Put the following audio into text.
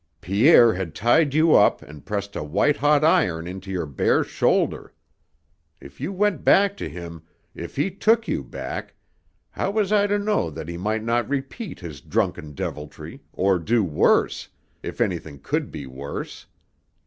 Pierre had tied you up and pressed a white hot iron into your bare shoulder. If you went back to him, if he took you back, how was I to know that he might not repeat his drunken deviltry, or do worse, if anything could be worse!